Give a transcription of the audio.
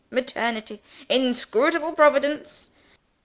Maternity! Inscrutable Providence!"